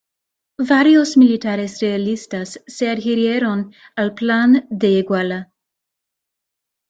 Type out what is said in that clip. Varios militares realistas se adhirieron al Plan de Iguala.